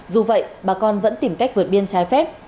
dù vậy bà con vẫn tìm cách vượt biên trái phép